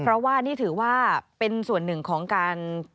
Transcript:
เพราะว่านี่ถือว่าเป็นส่วนหนึ่งของการ